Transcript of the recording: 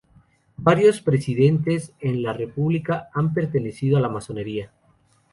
Varios presidentes de la República han pertenecido a la masonería.